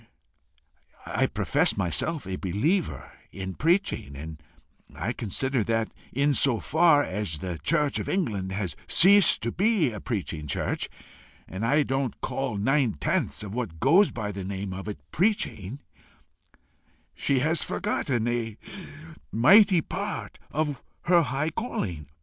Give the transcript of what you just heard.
I profess myself a believer in preaching, and consider that in so far as the church of England has ceased to be a preaching church and I don't call nine tenths of what goes by the name of it PREACHING she has forgotten a mighty part of her high calling.